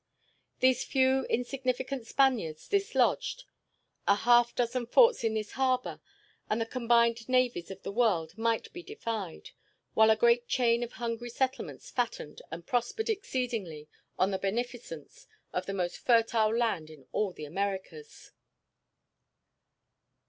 These few insignificant Spaniards dislodged, a half dozen forts in this harbor, and the combined navies of the world might be defied; while a great chain of hungry settlements fattened and prospered exceedingly on the beneficence of the most fertile land in all the Americas.